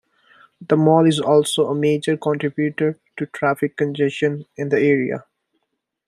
The mall is also a major contributor to traffic congestion in the area.